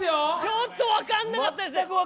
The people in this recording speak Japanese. ちょっと分からなかったですね。